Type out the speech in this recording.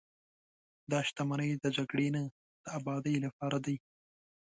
دا شتمنۍ د جګړې نه، د ابادۍ لپاره دي.